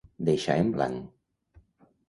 Deixar en blanc.